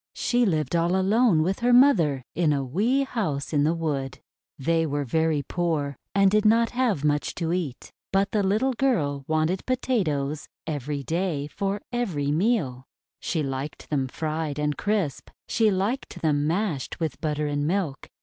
She lived all alone with her mother in a wee house in the wood. They were very poor, and did not have much to eat; but the little girl wanted Potatoes every 350 THE WONDER GARDEN day for every meal. She liked them fried and crisp. She liked them mashed with butter and milk.